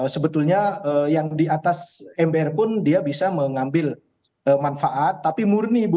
sebetulnya yang di atas mbr pun dia bisa mengambil manfaat tapi murni